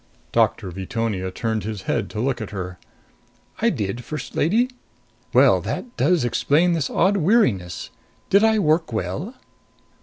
Doctor Veetonia turned his head to look at her. "I did, First Lady? Well, that does explain this odd weariness. Did I work well?"